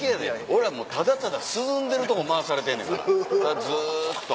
俺らもうただただ涼んでるとこ回されてんねんからずっと。